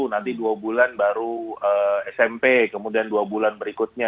nanti dua bulan baru smp kemudian dua bulan berikutnya